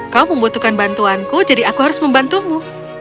kau membutuhkan bantuanku jadi aku harus membantumu